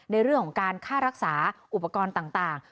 ในเรื่องของการค่ารักษาอุปกรณ์ต่าง